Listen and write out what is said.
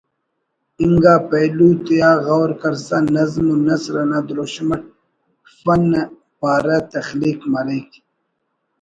انگا پہلو تیا غور کرسا نظم و نثر نا دروشم اٹ فن پارہ تخلیق مریک